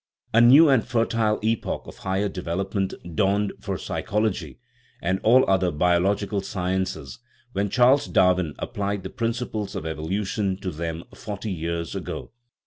A new and fertile epoch of higher development dawned for psychology and all other biological sciences when Charles Darwin applied the principles of evolu tion to them forty years ago.